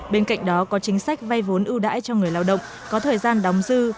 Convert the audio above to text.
bên cạnh đó có chính sách vay vốn ưu đãi cho người lao động có thời gian đóng dư